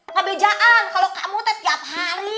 nggak bejaan kalau kamu teh tiap hari